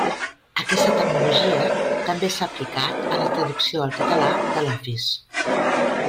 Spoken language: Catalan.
Aquesta tecnologia també s'ha aplicat a la traducció al català de l'Office.